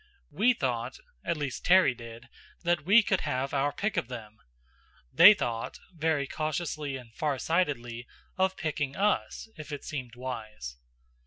We thought at least Terry did that we could have our pick of them. They thought very cautiously and farsightedly of picking us, if it seemed wise.